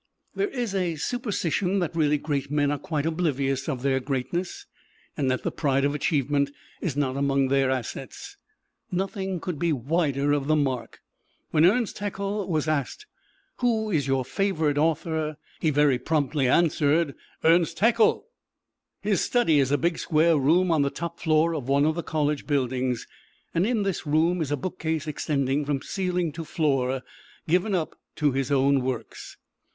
There is a superstition that really great men are quite oblivious of their greatness, and that the pride of achievement is not among their assets. Nothing could be wider of the mark. When Ernst Haeckel was asked, "Who is your favorite author?" he very promptly answered, "Ernst Haeckel." His study is a big square room on the top floor of one of the college buildings; and in this room is a bookcase extending from ceiling to floor, given up to his own works.